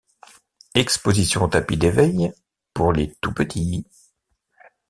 Exposition tapis d’éveil, pour les tout-petits.